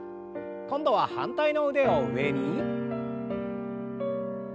今度は反対の腕を上に。